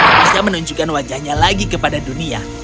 dia tidak akan pernah bisa menunjukkan wajahnya lagi kepada dunia